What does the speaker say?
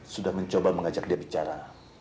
sudah mencoba mengajak dia bicara